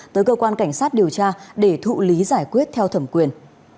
tới cơ quan cảnh sát điều tra để thụ lý giải quyết theo thẩm quyền